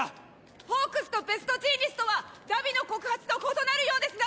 ホークスとベストジーニストは荼毘の告発と異なるようですが。